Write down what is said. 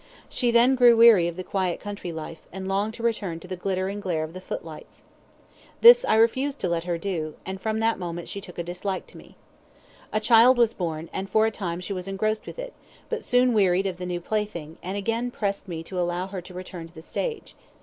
She then grew weary of the quiet country life, and longed to return to the glitter and glare of the footlights. This I refused to let her do, and from that moment she took a dislike to me. A child was born, and for a time she was engrossed with it, but soon wearied of the new plaything, and again pressed me to allow her to return to the stage.